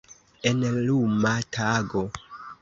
En luma tago.